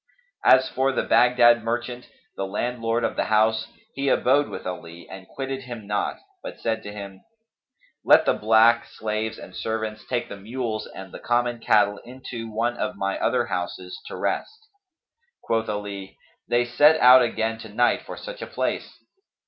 As for the Baghdad merchant, the landlord of the house, he abode with Ali and quitted him not, but said to him, "Let the black slaves and servants take the mules and the common cattle into one of my other houses, to rest." Quoth Ali, "They set out again to night for such a place."